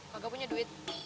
kagak punya duit